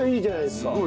すごい。